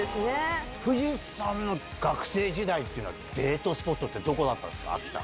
藤さんの学生時代っていうのはデートスポットってどこだったんですか、秋田。